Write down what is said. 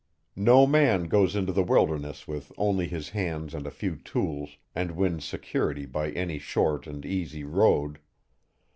No man goes into the wilderness with only his hands and a few tools and wins security by any short and easy road.